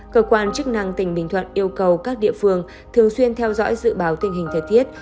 cơ quan chức năng tỉnh bình thuận yêu cầu các địa phương thường xuyên theo dõi dự báo tình hình thời tiết